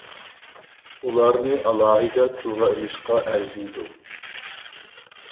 ئۇلارنى ئالاھىدە تىلغا ئېلىشقا ئەرزىيدۇ.